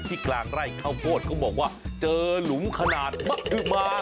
ที่กลางไร่ข้าวโพดก็บอกว่าเจอหลุมขนาดมะอึบมา